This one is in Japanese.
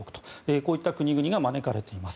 こういった国々が招かれています。